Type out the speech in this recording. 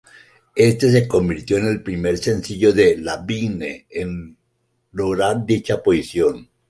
Este se convirtió en el primer sencillo de Lavigne en lograr dicha posición.